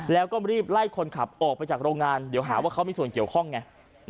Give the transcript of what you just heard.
แล้วก็รีบไล่คนขับออกไปจากโรงงานเดี๋ยวหาว่าเขามีส่วนเกี่ยวข้องไง